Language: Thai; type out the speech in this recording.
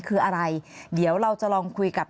คืออะไรเดี๋ยวเราจะลองคุยกับ